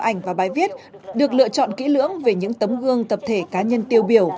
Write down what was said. hai trăm linh ảnh và bài viết được lựa chọn kỹ lưỡng về những tấm gương tập thể cá nhân tiêu biểu